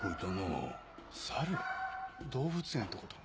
動物園ってこと？